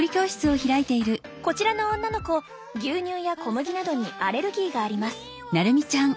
こちらの女の子牛乳や小麦などにアレルギーがあります。